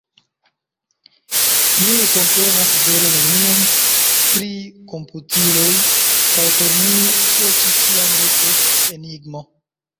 Mi komprenas vere nenion pri komputiloj, kaj por mi ĉio ĉi ĉiam restos enigmo.